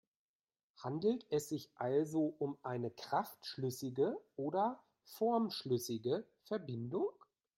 Handelt es sich also um eine kraftschlüssige oder formschlüssige Verbindung?